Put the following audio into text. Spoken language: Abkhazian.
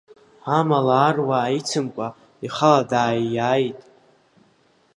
Амала аруаа ицымкәа, ихала дааиааит…